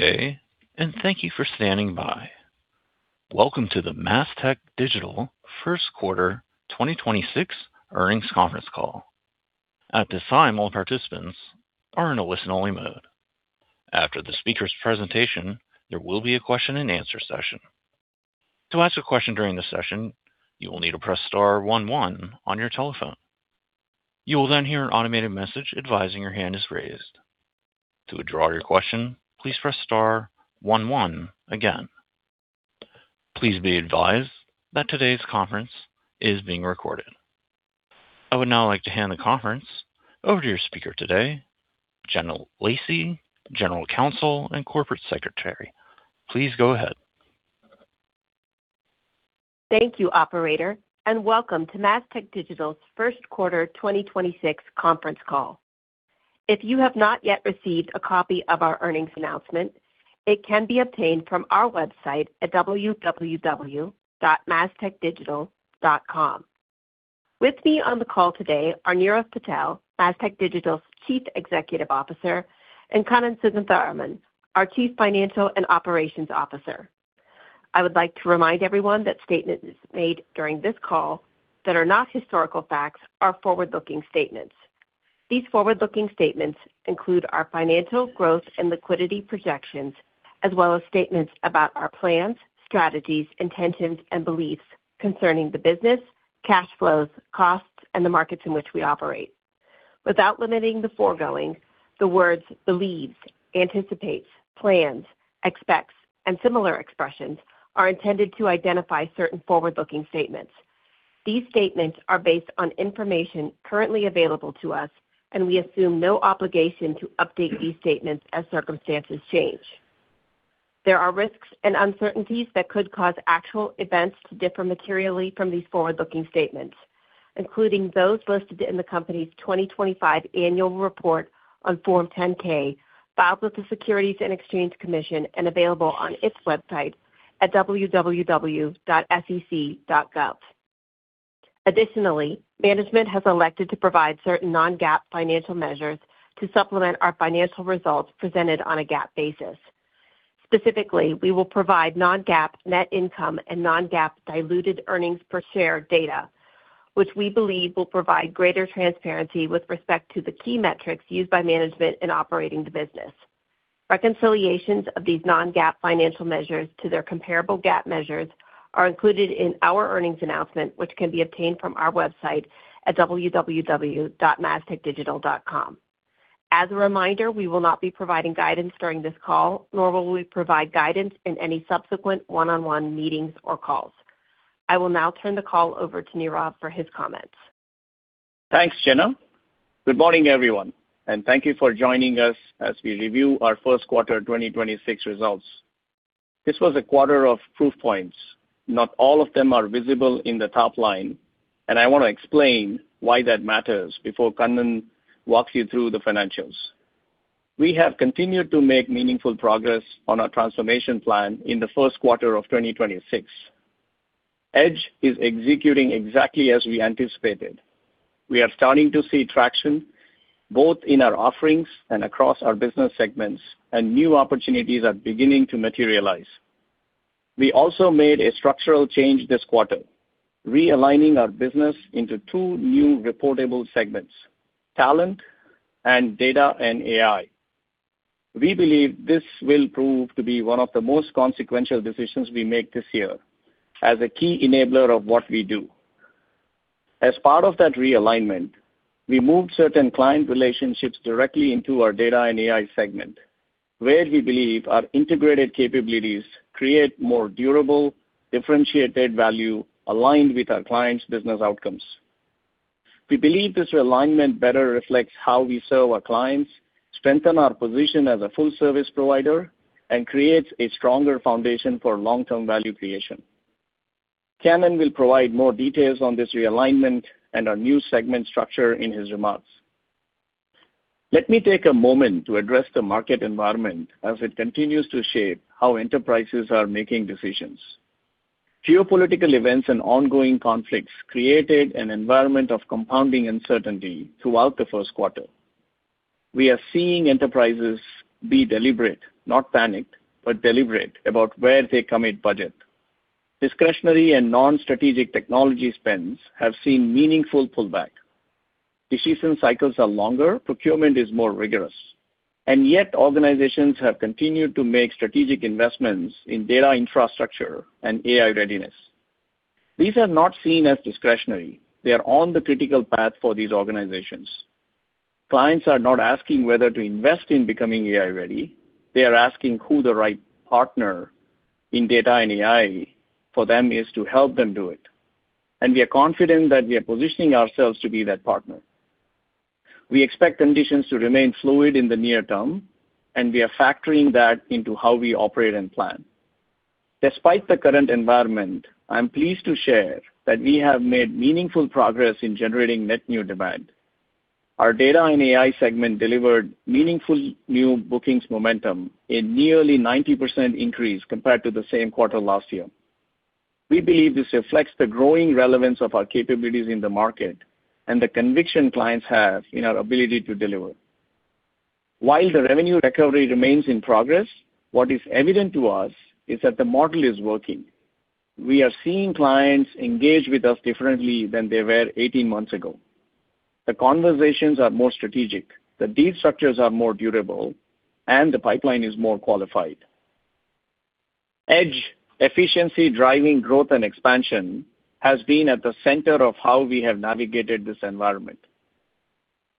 Day, thank you for standing by. Welcome to the Mastech Digital First Quarter 2026 Earnings Conference Call. At this time, all participants are in a listen-only mode. After the speaker's presentation, there will be a question-and-answer session. [To ask a question during the session, you only need to press star one one on your telephone. You will then hear an automated message advising your hand is raised. To withdraw your question, please press star one one again. ]Please be advised that today's conference is being recorded. I would now like to hand the conference over to your speaker today, Jenna Lacey, General Counsel and Corporate Secretary. Please go ahead. Thank you, operator, and welcome to Mastech Digital's first quarter 2026 conference call. If you have not yet received a copy of our earnings announcement, it can be obtained from our website at www.mastechdigital.com. With me on the call today are Nirav Patel, Mastech Digital's Chief Executive Officer, and Kannan Sugantharaman, our Chief Financial and Operations Officer. I would like to remind everyone that statements made during this call that are not historical facts are forward-looking statements. These forward-looking statements include our financial growth and liquidity projections, as well as statements about our plans, strategies, intentions, and beliefs concerning the business, cash flows, costs, and the markets in which we operate. Without limiting the foregoing, the words believes, anticipates, plans, expects, and similar expressions are intended to identify certain forward-looking statements. These statements are based on information currently available to us, and we assume no obligation to update these statements as circumstances change. There are risks and uncertainties that could cause actual events to differ materially from these forward-looking statements, including those listed in the company's 2025 annual report on Form 10-K filed with the Securities and Exchange Commission and available on its website at www.sec.gov. Additionally, management has elected to provide certain non-GAAP financial measures to supplement our financial results presented on a GAAP basis. Specifically, we will provide non-GAAP net income and non-GAAP diluted earnings per share data, which we believe will provide greater transparency with respect to the key metrics used by management in operating the business. Reconciliations of these non-GAAP financial measures to their comparable GAAP measures are included in our earnings announcement, which can be obtained from our website at www.mastechdigital.com. As a reminder, we will not be providing guidance during this call, nor will we provide guidance in any subsequent one-on-one meetings or calls. I will now turn the call over to Nirav for his comments. Thanks, Jenna. Good morning, everyone, and thank you for joining us as we review our first quarter 2026 results. This was a quarter of proof points. Not all of them are visible in the top line, and I wanna explain why that matters before Kannan walks you through the financials. We have continued to make meaningful progress on our transformation plan in the first quarter of 2026. EDGE is executing exactly as we anticipated. We are starting to see traction both in our offerings and across our business segments, and new opportunities are beginning to materialize. We also made a structural change this quarter, realigning our business into 2 new reportable segments, talent and data and AI. We believe this will prove to be 1 of the most consequential decisions we make this year as a key enabler of what we do. As part of that realignment, we moved certain client relationships directly into our data and AI segment, where we believe our integrated capabilities create more durable, differentiated value aligned with our clients' business outcomes. We believe this realignment better reflects how we serve our clients, strengthen our position as a full service provider, and creates a stronger foundation for long-term value creation. Kannan will provide more details on this realignment and our new segment structure in his remarks. Let me take a moment to address the market environment as it continues to shape how enterprises are making decisions. Geopolitical events and ongoing conflicts created an environment of compounding uncertainty throughout the first quarter. We are seeing enterprises be deliberate, not panicked, but deliberate about where they commit budget. Discretionary and non-strategic technology spends have seen meaningful pullback. Decision cycles are longer, procurement is more rigorous, and yet organizations have continued to make strategic investments in data infrastructure and AI readiness. These are not seen as discretionary. They are on the critical path for these organizations. Clients are not asking whether to invest in becoming AI ready. They are asking who the right partner in data and AI for them is to help them do it, and we are confident that we are positioning ourselves to be that partner. We expect conditions to remain fluid in the near term, and we are factoring that into how we operate and plan. Despite the current environment, I am pleased to share that we have made meaningful progress in generating net new demand. Our data and AI segment delivered meaningful new bookings momentum in nearly 90% increase compared to the same quarter last year. We believe this reflects the growing relevance of our capabilities in the market and the conviction clients have in our ability to deliver. While the revenue recovery remains in progress, what is evident to us is that the model is working. We are seeing clients engage with us differently than they were 18 months ago. The conversations are more strategic, the deal structures are more durable, and the pipeline is more qualified. EDGE efficiency driving growth and expansion has been at the center of how we have navigated this environment.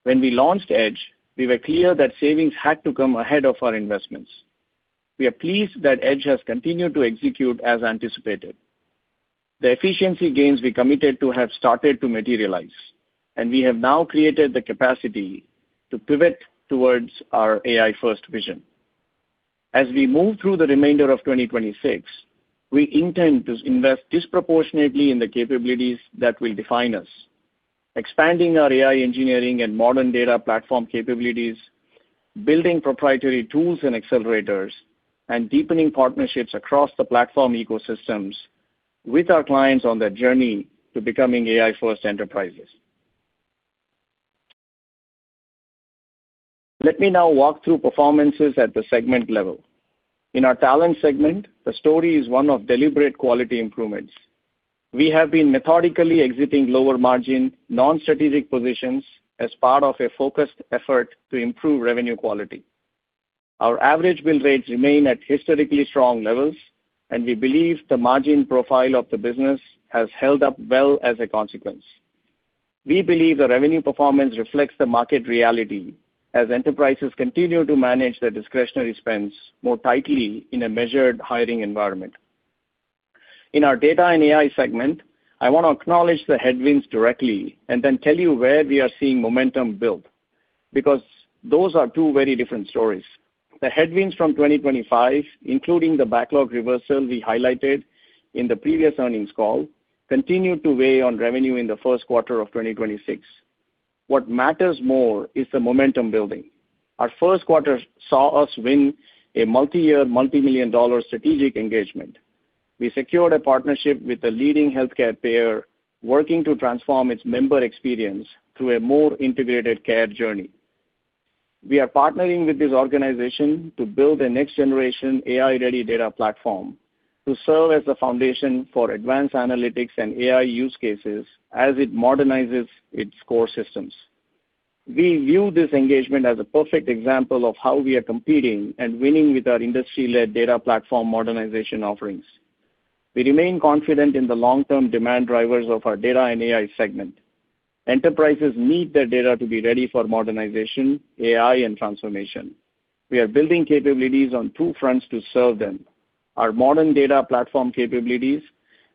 When we launched EDGE, we were clear that savings had to come ahead of our investments. We are pleased that EDGE has continued to execute as anticipated. The efficiency gains we committed to have started to materialize, and we have now created the capacity to pivot towards our AI-first vision. As we move through the remainder of 2026, we intend to invest disproportionately in the capabilities that will define us, expanding our AI engineering and modern data platform capabilities, building proprietary tools and accelerators, and deepening partnerships across the platform ecosystems with our clients on their journey to becoming AI-first enterprises. Let me now walk through performances at the segment level. In our Talent Segment, the story is one of deliberate quality improvements. We have been methodically exiting lower margin, non-strategic positions as part of a focused effort to improve revenue quality. Our average bill rates remain at historically strong levels, and we believe the margin profile of the business has held up well as a consequence. We believe the revenue performance reflects the market reality as enterprises continue to manage their discretionary spends more tightly in a measured hiring environment. In our data and AI segment, I wanna acknowledge the headwinds directly and then tell you where we are seeing momentum build, because those are two very different stories. The headwinds from 2025, including the backlog reversal we highlighted in the previous earnings call, continued to weigh on revenue in the first quarter of 2026. What matters more is the momentum building. Our first quarter saw us win a multiyear, multimillion-dollar strategic engagement. We secured a partnership with a leading healthcare payer working to transform its member experience through a more integrated care journey. We are partnering with this organization to build a next generation AI-ready data platform to serve as the foundation for advanced analytics and AI use cases as it modernizes its core systems. We view this engagement as a perfect example of how we are competing and winning with our industry-led data platform modernization offerings. We remain confident in the long-term demand drivers of our Data and AI segment. Enterprises need their data to be ready for modernization, AI, and transformation. We are building capabilities on two fronts to serve them. Our modern data platform capabilities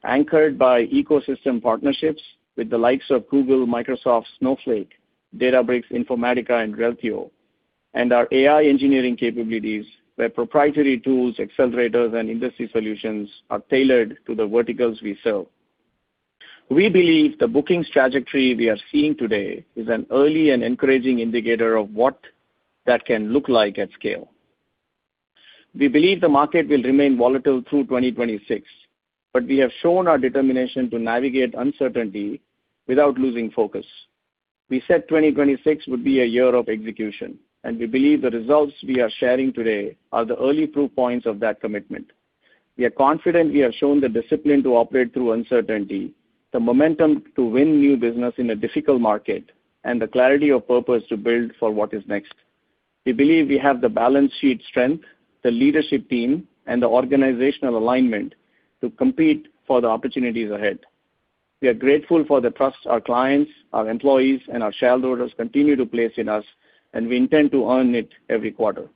anchored by ecosystem partnerships with the likes of Google, Microsoft, Snowflake, Databricks, Informatica, and Reltio, and our AI engineering capabilities, where proprietary tools, accelerators, and industry solutions are tailored to the verticals we serve. We believe the bookings trajectory we are seeing today is an early and encouraging indicator of what that can look like at scale. We believe the market will remain volatile through 2026, but we have shown our determination to navigate uncertainty without losing focus. We said 2026 would be a year of execution, and we believe the results we are sharing today are the early proof points of that commitment. We are confident we have shown the discipline to operate through uncertainty, the momentum to win new business in a difficult market, and the clarity of purpose to build for what is next. We believe we have the balance sheet strength, the leadership team, and the organizational alignment to compete for the opportunities ahead. We are grateful for the trust our clients, our employees, and our shareholders continue to place in us, and we intend to earn it every quarter.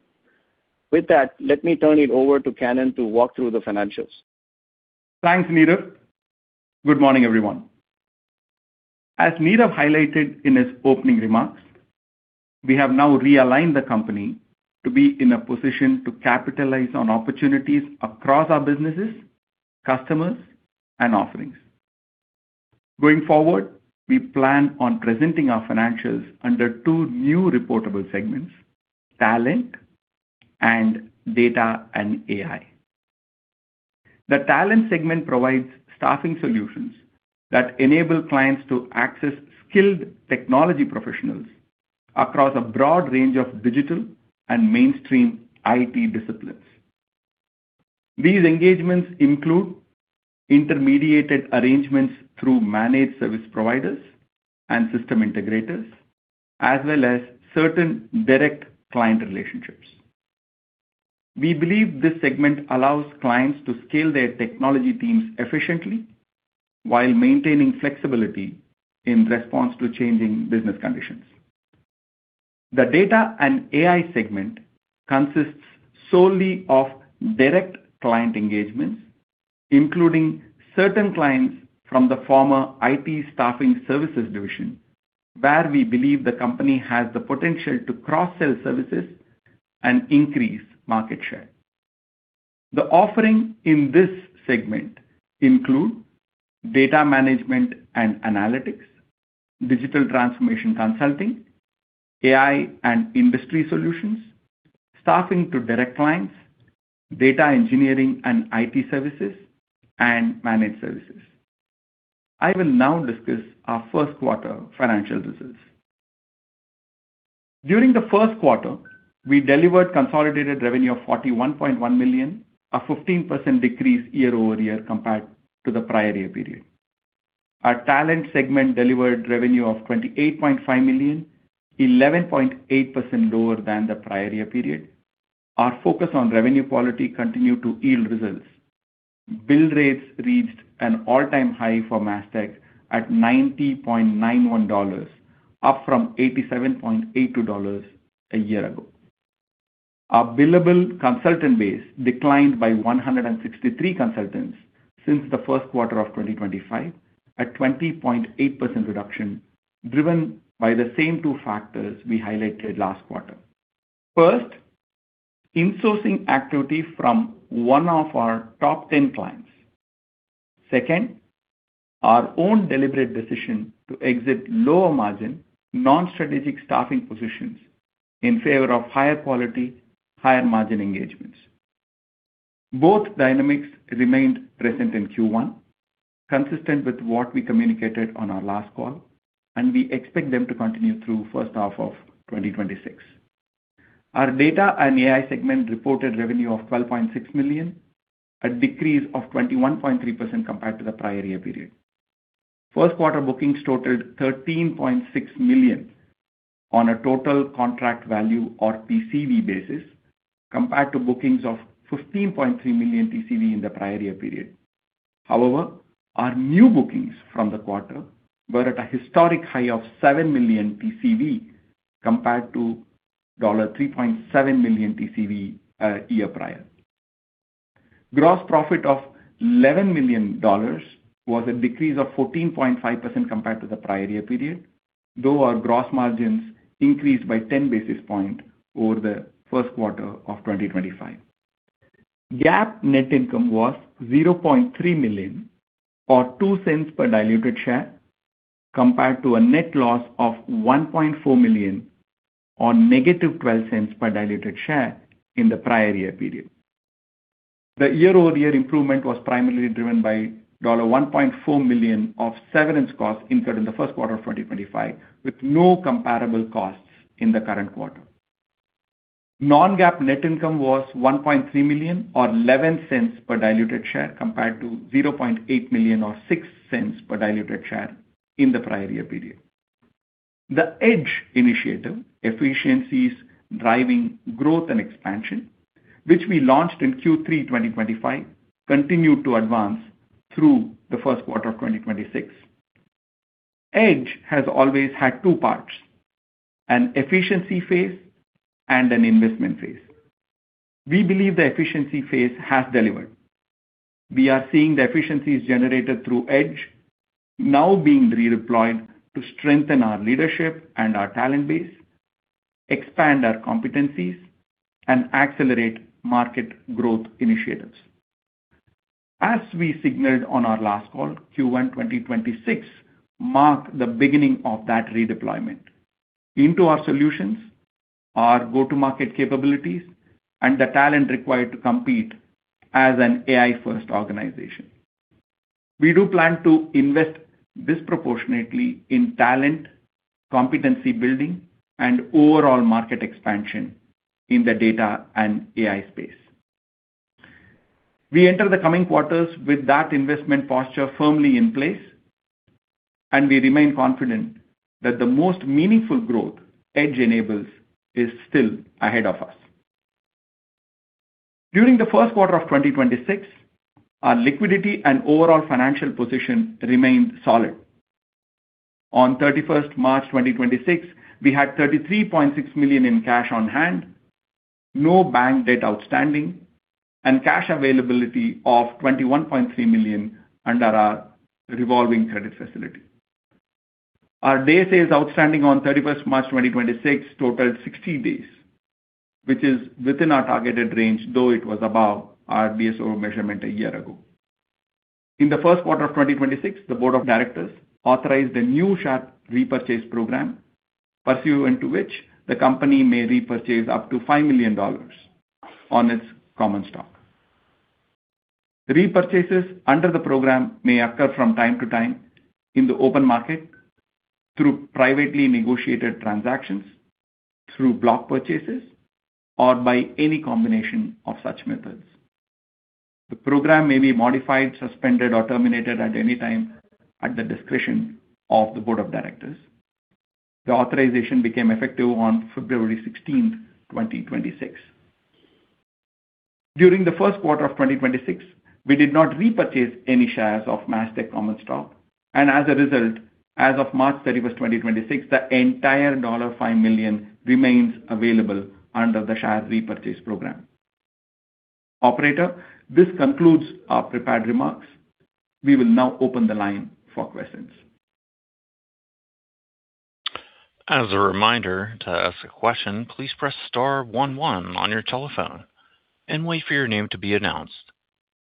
With that, let me turn it over to Kannan to walk through the financials. Thanks, Nirav. Good morning, everyone. As Nirav highlighted in his opening remarks, we have now realigned the company to be in a position to capitalize on opportunities across our businesses, customers, and offerings. Going forward, we plan on presenting our financials under two new reportable segments, Talent, and Data and AI. The Talent segment provides staffing solutions that enable clients to access skilled technology professionals across a broad range of digital and mainstream IT disciplines. These engagements include intermediated arrangements through managed service providers and system integrators, as well as certain direct client relationships. We believe this segment allows clients to scale their technology teams efficiently while maintaining flexibility in response to changing business conditions. The data and AI segment consists solely of direct client engagements, including certain clients from the former IT staffing services division, where we believe the company has the potential to cross-sell services and increase market share. The offering in this segment include data management and analytics, digital transformation consulting, AI and industry solutions, staffing to direct clients, data engineering and IT services, and managed services. I will now discuss our first quarter financial results. During the first quarter, we delivered consolidated revenue of $41.1 million, a 15% decrease year-over-year compared to the prior year period. Our Talent segment delivered revenue of $28.5 million, 11.8% lower than the prior year period. Our focus on revenue quality continued to yield results. Bill rates reached an all-time high for Mastech at $90.91, up from $87.82 a year ago. Our billable consultant base declined by 163 consultants since the first quarter of 2025, a 20.8% reduction, driven by the same 2 factors we highlighted last quarter. First, insourcing activity from one of our top 10 clients. Second, our own deliberate decision to exit lower margin, non-strategic staffing positions in favor of higher quality, higher margin engagements. Both dynamics remained present in Q1, consistent with what we communicated on our last call, and we expect them to continue through first half of 2026. Our data and AI segment reported revenue of $12.6 million, a decrease of 21.3% compared to the prior year period. First quarter bookings totaled $13.6 million on a Total Contract Value or TCV basis compared to bookings of $15.3 million TCV in the prior year period. [However,] our new bookings from the quarter were at a historic high of $7 million TCV compared to $3.7 million TCV year prior. Gross profit of $11 million was a decrease of 14.5% compared to the prior year period, though our gross margins increased by 10 basis point over the first quarter of 2025. GAAP net income was $0.3 million or $0.02 per diluted share compared to a net loss of $1.4 million on -$0.12 per diluted share in the prior year period. The year-over-year improvement was primarily driven by $1.4 million of severance costs incurred in the first quarter of 2025, with no comparable costs in the current quarter. non-GAAP net income was $1.3 million or $0.11 per diluted share compared to $0.8 million or $0.06 per diluted share in the prior year period. The EDGE initiative, Efficiencies Driving Growth and Expansion, which we launched in Q3 2025, continued to advance through the first quarter of 2026. EDGE has always had two parts, an efficiency phase and an investment phase. We believe the efficiency phase has delivered. We are seeing the efficiencies generated through EDGE now being redeployed to strengthen our leadership and our talent base, expand our competencies and accelerate market growth initiatives. As we signaled on our last call, Q1 2026 marked the beginning of that redeployment into our solutions, our go-to-market capabilities, and the talent required to compete as an AI-first organization. We do plan to invest disproportionately in talent, competency building, and overall market expansion in the data and AI space. We enter the coming quarters with that investment posture firmly in place, and we remain confident that the most meaningful growth EDGE enables is still ahead of us. During the first quarter of 2026, our liquidity and overall financial position remained solid. On March 31st, 2026, we had $33.6 million in cash on hand, no bank debt outstanding, and cash availability of $21.3 million under our revolving credit facility. Our Days Sales Outstanding on March 31st, 2026 totaled 60 days, which is within our targeted range, though it was above our DSO measurement a year ago. In the first quarter of 2026, the board of directors authorized a new share repurchase program pursuant to which the company may repurchase up to $5 million on its common stock. Repurchases under the program may occur from time to time in the open market through privately negotiated transactions, through block purchases, or by any combination of such methods. The program may be modified, suspended, or terminated at any time at the discretion of the board of directors. The authorization became effective on February 16th, 2026. During the first quarter of 2026, we did not repurchase any shares of Mastech common stock, and as a result, as of March 31st, 2026, the entire $5 million remains available under the share repurchase program. Operator, this concludes our prepared remarks. We will now open the line for questions. As a reminder, to ask a question, please press star one one on your telephone and wait for your name to be announced.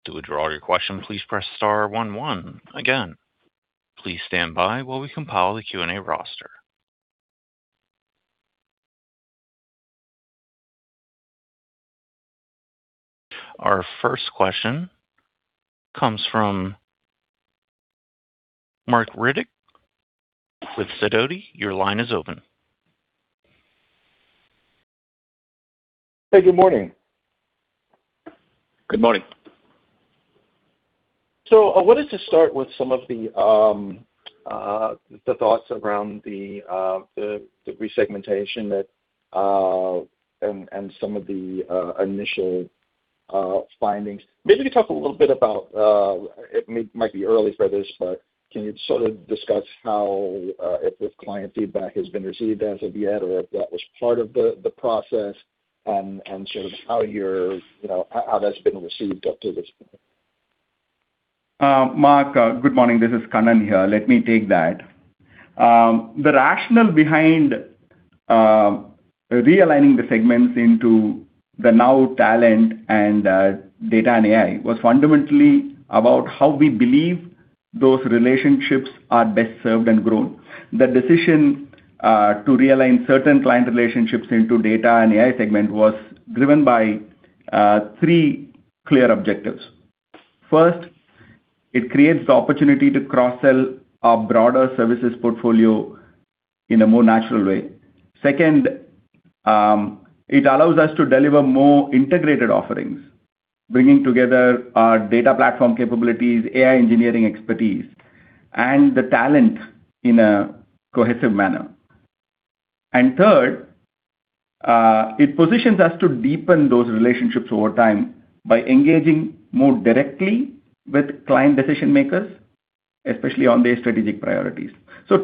To withdraw your question, please press star one one. Again, please stand by while we compile the Q&A roster. Our first question comes from Marc Riddick with Sidoti. Your line is open. Hey, good morning. Good morning. I wanted to start with some of the thoughts around the resegmentation that and some of the initial findings. Maybe talk a little bit about it might be early for this, but can you sort of discuss how if this client feedback has been received as of yet or if that was part of the process and sort of how you're, you know, how that's been received up to this point? Marc, good morning. This is Kannan here. Let me take that. The rationale behind realigning the segments into the now talent and data and AI was fundamentally about how we believe those relationships are best served and grown. The decision to realign certain client relationships into data and AI segment was driven by three clear objectives. First, it creates the opportunity to cross-sell our broader services portfolio in a more natural way. Second, it allows us to deliver more integrated offerings, bringing together our data platform capabilities, AI engineering expertise, and the talent in a cohesive manner. Third, it positions us to deepen those relationships over time by engaging more directly with client decision-makers, especially on their strategic priorities.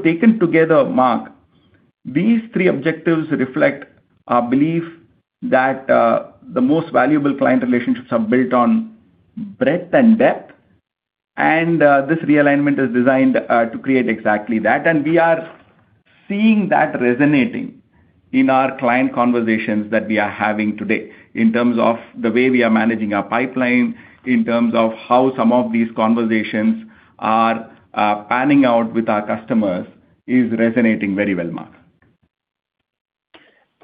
Taken together, Marc, these three objectives reflect our belief that the most valuable client relationships are built on breadth and depth, and this realignment is designed to create exactly that. We are seeing that resonating in our client conversations that we are having today in terms of the way we are managing our pipeline, in terms of how some of these conversations are panning out with our customers is resonating very well,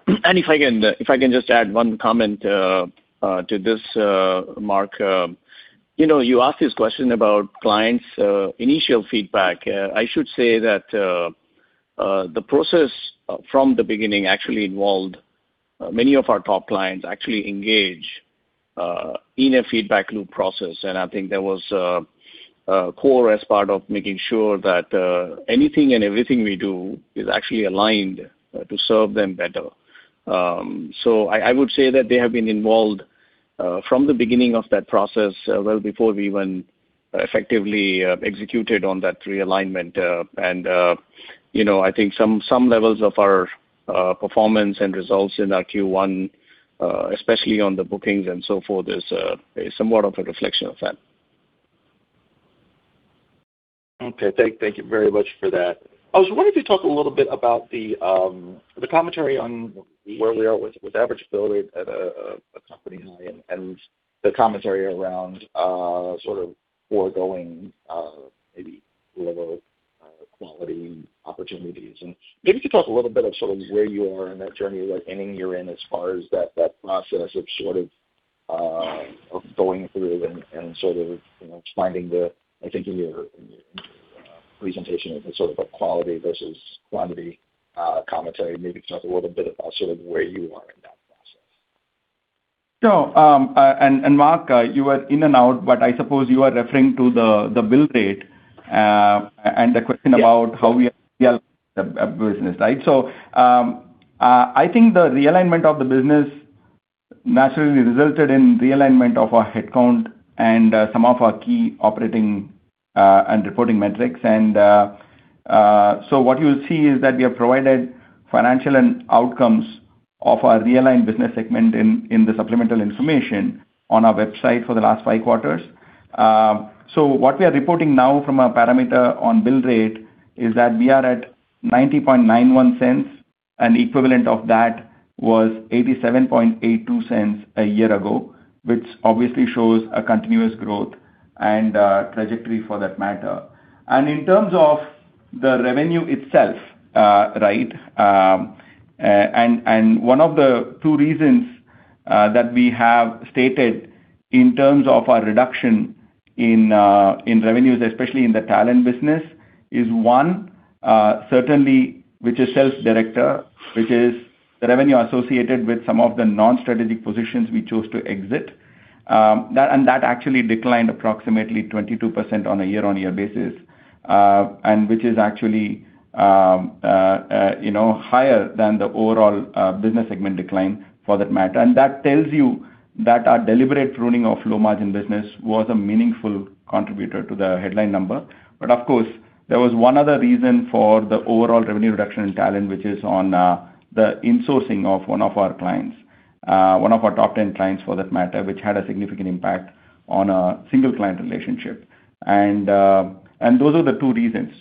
Marc. If I can just add one comment to this, Marc. You know, you asked this question about clients' initial feedback. I should say that the process from the beginning actually involved many of our top clients actually engage in a feedback loop process. I think that was core as part of making sure that anything and everything we do is actually aligned to serve them better. So I would say that they have been involved from the beginning of that process, well before we even effectively executed on that realignment. You know, I think some levels of our performance and results in our Q1, especially on the bookings and so forth, is somewhat of a reflection of that. Okay. Thank you very much for that. I was wondering if you talk a little bit about the commentary on where we are with average bill rate at a company high and the commentary around sort of foregoing maybe lower quality opportunities. Maybe you could talk a little bit of sort of where you are in that journey, like any year end as far as that process of sort of going through and sort of, you know, finding the I think in your presentation as a sort of a quality versus quantity commentary. Maybe talk a little bit about sort of where you are in that process. Sure. Marc, you were in and out, but I suppose you are referring to the bill rate. Yes. about how we are business, right? I think the realignment of the business naturally resulted in realignment of our headcount and some of our key operating and reporting metrics. What you'll see is that we have provided financial and outcomes of our realigned business segment in the supplemental information on our website for the last five quarters. What we are reporting now from our parameter on bill rate is that we are at $0.9091, and equivalent of that was $0.8782 a year ago, which obviously shows a continuous growth and trajectory for that matter. In terms of the revenue itself, right, 1 of the 2 reasons that we have stated in terms of our reduction in revenues, especially in the talent business, is 1, certainly which is self-directed, which is revenue associated with some of the non-strategic positions we chose to exit. That actually declined approximately 22% on a year-on-year basis, and which is actually, you know, higher than the overall business segment decline for that matter. That tells you that our deliberate pruning of low margin business was a meaningful contributor to the headline number. Of course, there was one other reason for the overall revenue reduction in talent, which is on the insourcing of one of our clients, 1 of our top 10 clients for that matter, which had a significant impact on a single client relationship. Those are the two reasons.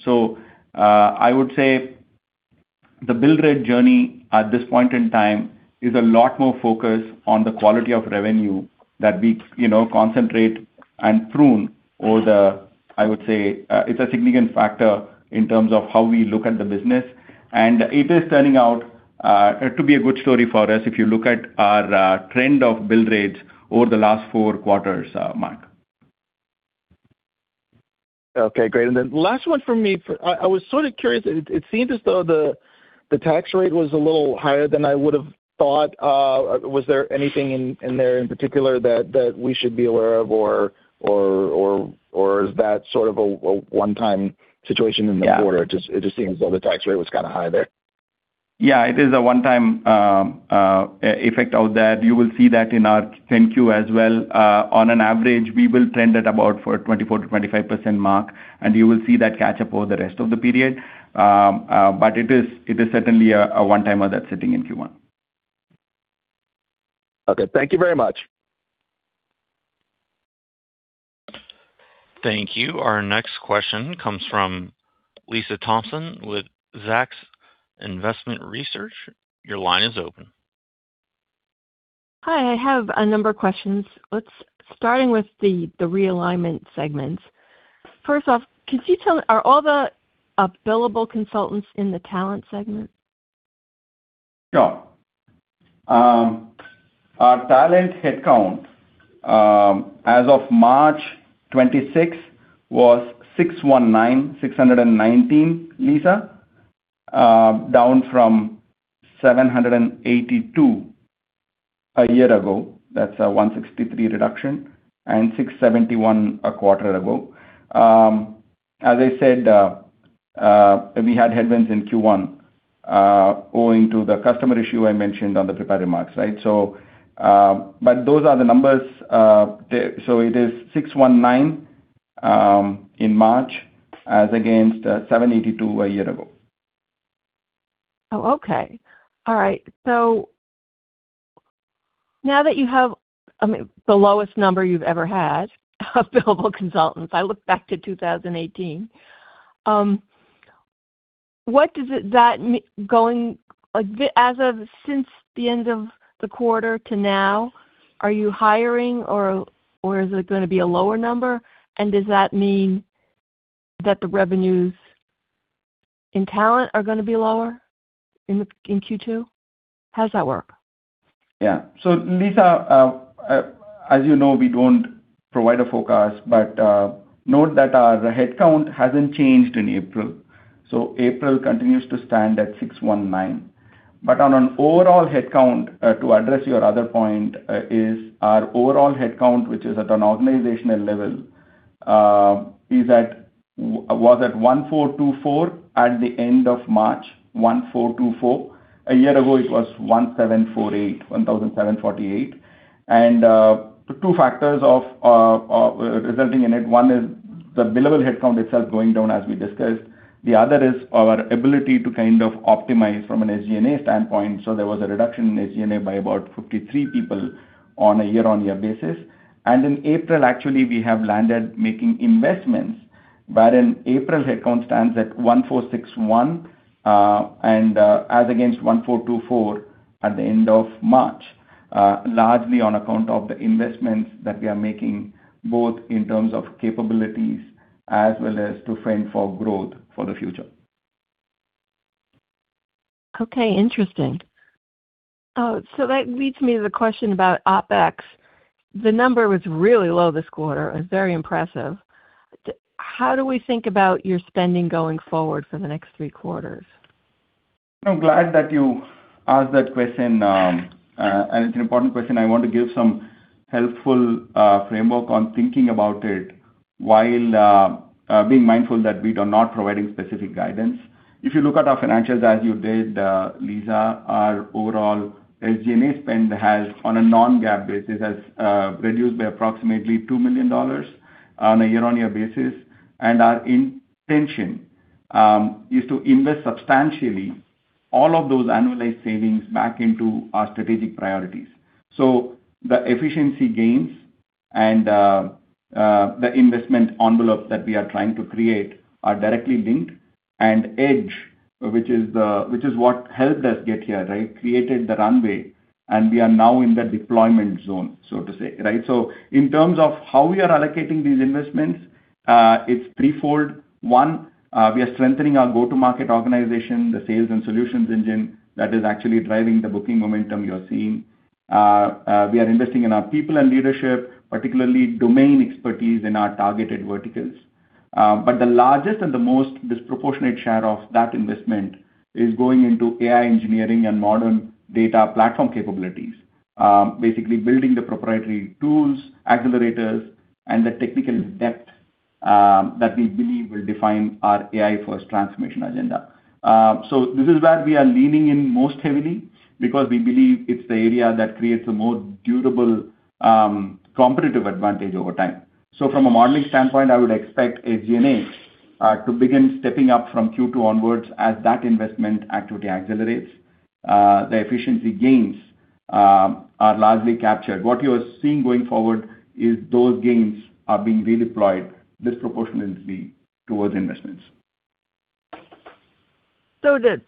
The bill rate journey at this point in time is a lot more focused on the quality of revenue that we, you know, concentrate and prune over. I would say, it's a significant factor in terms of how we look at the business. It is turning out to be a good story for us if you look at our trend of bill rates over the last 4 quarters, Marc. Okay, great. Last one for me. I was sort of curious. It seems as though the tax rate was a little higher than I would have thought. Was there anything in there in particular that we should be aware of or is that sort of a one-time situation? Yeah. quarter? It just seems as though the tax rate was kind of high there. Yeah. It is a one-time effect of that. You will see that in our 10-Q as well. On an average, we will trend at about for a 24% to 25% mark, and you will see that catch up over the rest of the period. But it is certainly a one-timer that's sitting in Q1. Okay. Thank you very much. Thank you. Our next question comes from Lisa Thompson with Zacks Investment Research. Your line is open. Hi. I have a number of questions. Starting with the realignment segments. First off, can you tell Are all the billable consultants in the talent segment? Our talent headcount, as of March 26 was 619, Lisa, down from 782 a year ago. That's a 163 reduction and 671 a quarter ago. As I said, we had headwinds in Q1, owing to the customer issue I mentioned on the prepared remarks, right? Those are the numbers. It is 619 in March as against 782 a year ago. Oh, okay. All right. Now that you have, I mean, the lowest number you've ever had of billable consultants, I look back to 2018. What does that mean as of since the end of the quarter to now, are you hiring or is it gonna be a lower number? Does that mean that the revenues in talent are gonna be lower in Q2? How does that work? Yeah. Lisa, as you know, we don't provide a forecast. Note that our headcount hasn't changed in April. April continues to stand at 619. On an overall headcount, to address your other point, is our overall headcount, which is at an organizational level, was at 1,424 at the end of March. 1,424. A year ago, it was 1,748, 1,748. Two factors of resulting in it. One is the billable headcount itself going down as we discussed. The other is our ability to kind of optimize from an SG&A standpoint. There was a reduction in SG&A by about 53 people on a year-on-year basis. In April, actually, we have landed making investments, wherein April headcount stands at 1,461, and, as against 1,424 at the end of March, largely on account of the investments that we are making, both in terms of capabilities as well as to frame for growth for the future. Okay. Interesting. That leads me to the question about OpEx. The number was really low this quarter. It was very impressive. How do we think about your spending going forward for the next three quarters? I'm glad that you asked that question. It's an important question. I want to give some helpful framework on thinking about it while being mindful that we are not providing specific guidance. If you look at our financials as you did, Lisa, our overall SG&A spend has, on a non-GAAP basis, has reduced by approximately $2 million on a year-on-year basis. Our intention is to invest substantially all of those annualized savings back into our strategic priorities. The efficiency gains and the investment envelope that we are trying to create are directly linked. EDGE, which is what helped us get here, right? It created the runway, and we are now in the deployment zone, so to say, right? In terms of how we are allocating these investments, it's threefold. One, we are strengthening our go-to-market organization, the sales and solutions engine that is actually driving the booking momentum you're seeing. We are investing in our people and leadership, particularly domain expertise in our targeted verticals. The largest and the most disproportionate share of that investment is going into AI engineering and modern data platform capabilities. Basically building the proprietary tools, accelerators, and the technical depth that we believe will define our AI first transformation agenda. This is where we are leaning in most heavily because we believe it's the area that creates a more durable competitive advantage over time. From a modeling standpoint, I would expect SG&A to begin stepping up from Q2 onwards as that investment activity accelerates. The efficiency gains are largely captured. What you are seeing going forward is those gains are being redeployed disproportionately towards investments. To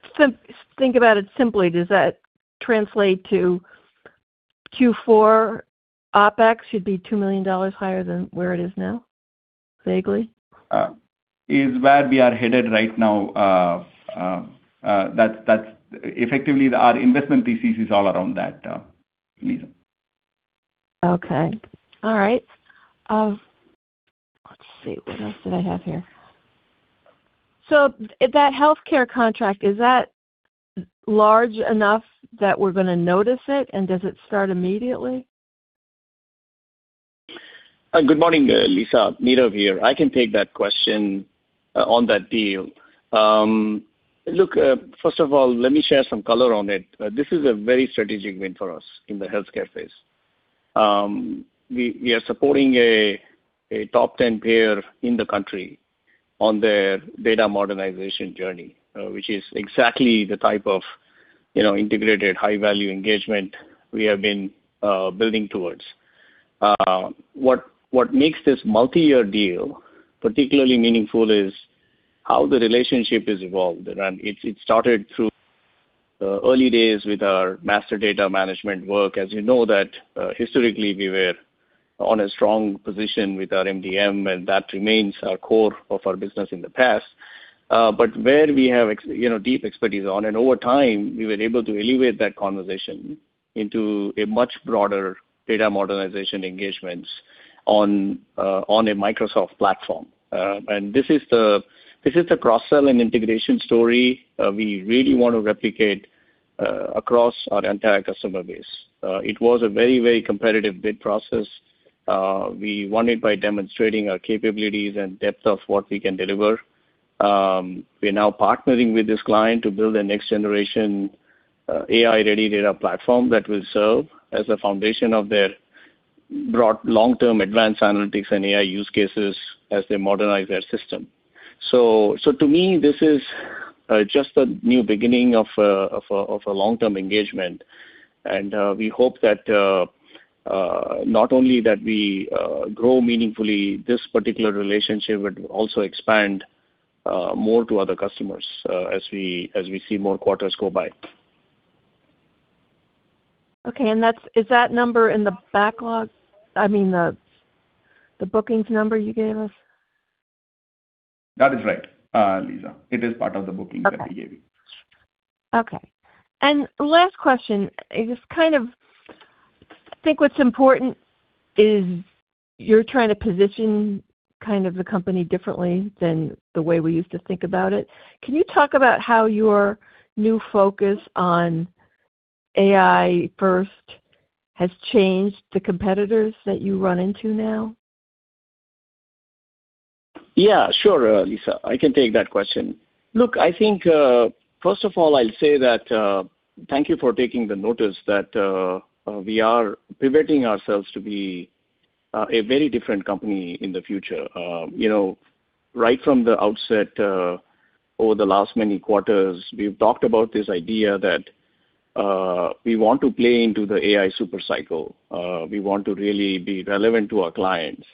think about it simply, does that translate to Q4 OpEx should be $2 million higher than where it is now, vaguely? Is where we are headed right now, that's effectively our investment thesis is all around that, Lisa. Okay. All right. Let's see, what else did I have here? That healthcare contract, is that large enough that we're gonna notice it and does it start immediately? Good morning, Lisa. Nirav here. I can take that question on that deal. Look, first of all, let me share some color on it. This is a very strategic win for us in the healthcare space. We are supporting a top 10 payer in the country on their data modernization journey, which is exactly the type of, you know, integrated high-value engagement we have been building towards. What makes this multi-year deal particularly meaningful is how the relationship has evolved. It started through the early days with our master data management work. As you know that, historically we were on a strong position with our MDM, that remains our core of our business in the past. Where we have you know, deep expertise on, and over time, we were able to elevate that conversation into a much broader data modernization engagements on a Microsoft platform. This is the cross-sell and integration story, we really want to replicate across our entire customer base. It was a very competitive bid process. We won it by demonstrating our capabilities and depth of what we can deliver. We are now partnering with this client to build a next generation AI-ready data platform that will serve as a foundation of their broad long-term advanced analytics and AI use cases as they modernize their system. To me, this is just a new beginning of a long-term engagement. We hope that not only that we grow meaningfully this particular relationship, but also expand more to other customers, as we see more quarters go by. Okay. Is that number in the backlog? I mean, the bookings number you gave us? That is right, Lisa. It is part of the bookings that we gave you. Okay. Okay. Last question. I just kind of think what's important is you're trying to position kind of the company differently than the way we used to think about it. Can you talk about how your new focus on AI first has changed the competitors that you run into now? Sure, Lisa. I can take that question. Look, I think, first of all, I'll say that, thank you for taking the notice that, we are pivoting ourselves to be a very different company in the future. You know, right from the outset, over the last many quarters, we've talked about this idea that we want to play into the AI super cycle. We want to really be relevant to our clients.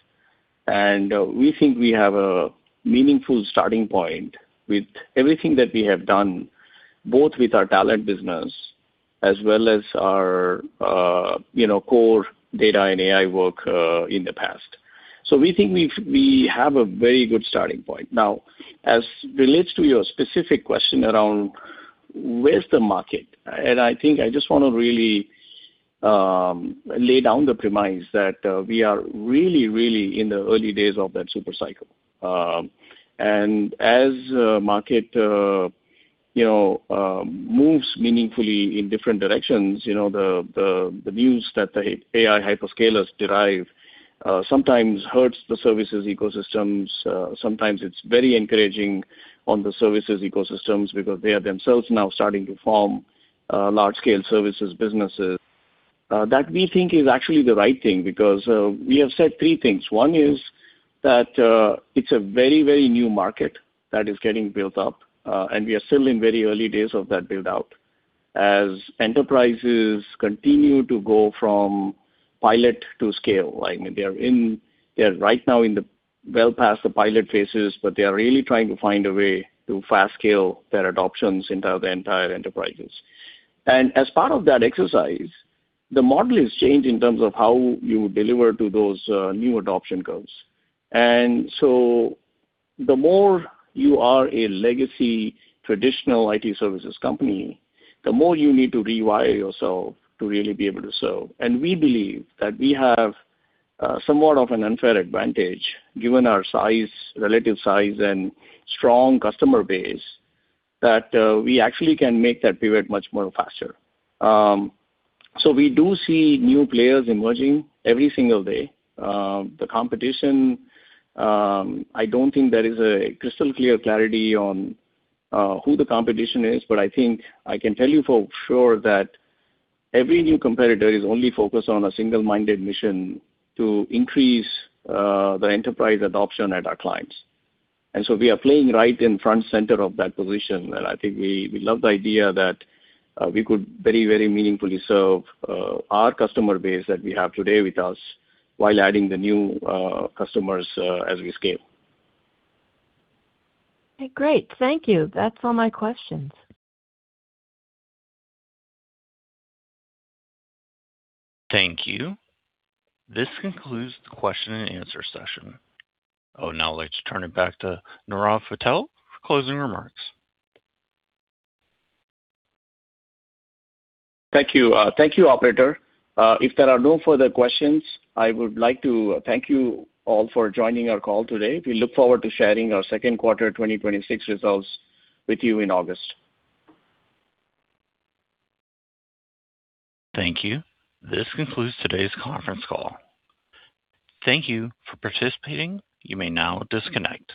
We think we have a meaningful starting point with everything that we have done, both with our talent business as well as our, you know, core data and AI work in the past. We think we have a very good starting point. Now, as relates to your specific question around where's the market, and I think I just wanna really lay down the premise that we are really, really in the early days of that super cycle. As market, you know, moves meaningfully in different directions, you know, the news that the AI hyperscalers derive sometimes hurts the services ecosystems. Sometimes it's very encouraging on the services ecosystems because they are themselves now starting to form large scale services businesses. That we think is actually the right thing because we have said three things. One is that it's a very, very new market that is getting built up, and we are still in very early days of that build-out. As enterprises continue to go from pilot to scale, like they are right now in the well past the pilot phases, but they are really trying to find a way to fast scale their adoptions into the entire enterprises. As part of that exercise, the model is changed in terms of how you deliver to those new adoption curves. The more you are a legacy traditional IT services company, the more you need to rewire yourself to really be able to serve. We believe that we have somewhat of an unfair advantage given our size, relative size and strong customer base, that we actually can make that pivot much more faster. We do see new players emerging every single day. The competition, I don't think there is a crystal clear clarity on who the competition is, but I think I can tell you for sure that every new competitor is only focused on a single-minded mission to increase the enterprise adoption at our clients. So we are playing right in front and center of that position. I think we love the idea that we could very, very meaningfully serve our customer base that we have today with us while adding the new customers as we scale. Okay, great. Thank you. That's all my questions. Thank you. This concludes the question and answer session. Let's turn it back to Nirav Patel for closing remarks. Thank you. Thank you, operator. If there are no further questions, I would like to thank you all for joining our call today. We look forward to sharing our second quarter 2026 results with you in August. Thank you. This concludes today's conference call. Thank you for participating. You may now disconnect.